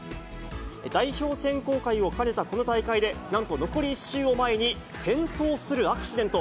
代表選考会を兼ねたこの大会で、なんと残り１周を前に転倒するアクシデント。